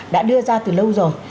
đã đưa ra từ lâu rồi